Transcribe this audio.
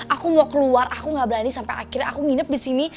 aku mau keluar aku gak berani sampai akhirnya aku nginep di sini